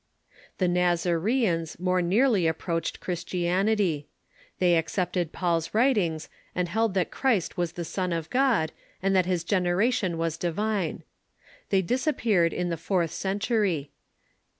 The Nozara'ans more nearly approached Christianity. They accepted Paul's writings, and held that Christ Avas the Son of God, and that his generation was divine. They dis appeared in the fourth century.